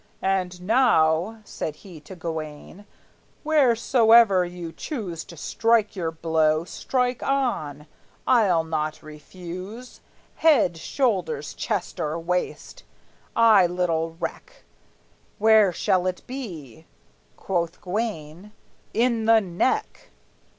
"And now," Said he to Gawayne, "wheresoe'er you choose To strike your blow, strike on; I'll not refuse; Head, shoulders, chest, or waist, I little reck; Where shall it be?" Quoth Gawayne, "In the neck!"